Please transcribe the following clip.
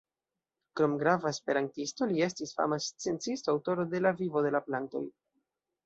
Krom grava esperantisto, li estis fama sciencisto, aŭtoro de "La Vivo de la Plantoj".